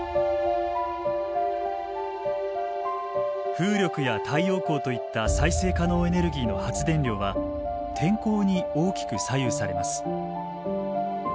風力や太陽光といった再生可能エネルギーの発電量は天候に大きく左右されます。